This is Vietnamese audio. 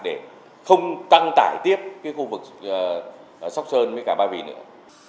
để không căng tải tiếp cái khu vực sóc sơn với cả ba vì nữa